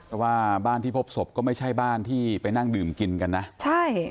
เพราะว่าบ้านที่พบศพก็ไม่ใช่บ้านที่ไปนั่งดื่มกินกันนะใช่